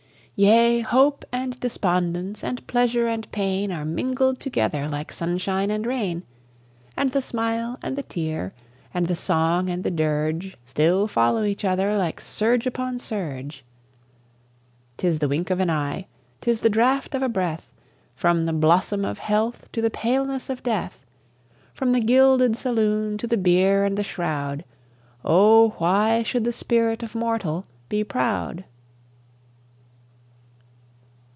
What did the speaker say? Yea! hope and despondence, and pleasure and pain, Are mingled together like sunshine and rain; And the smile and the tear, and the song and the dirge, Still follow each other, like surge upon surge. 'Tis the wink of an eye, 'tis the draught of a breath, From the blossom of health to the paleness of death, From the gilded saloon to the bier and the shroud, O why should the spirit of mortal be proud?